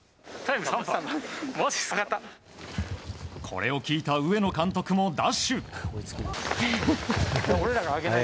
これを聞いた上野監督もダッシュ。